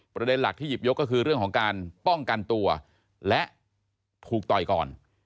ประเด็นหลักที่หยิบยกก็คือเรื่องของการป้องกันตัวและถูกต่อยก่อน